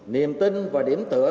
niềm tin và điểm tựa